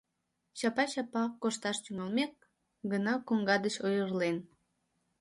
Чапа-чапа кошташ тӱҥалмек гына коҥга деч ойырлен.